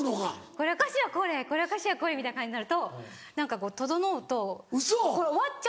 この歌詞はこれこの歌詞はこれみたいな感じになると何かこう整うと終わっちゃう。